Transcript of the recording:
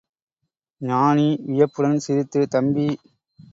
ஞானி வியப்புடன் சிரித்து, தம்பி!